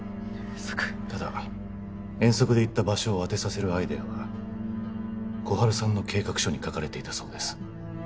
ただ遠足で行った場所を当てさせるアイデアは心春さんの計画書に書かれていたそうです